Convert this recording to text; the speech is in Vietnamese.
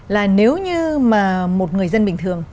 là nếu như mà một người dân bình thường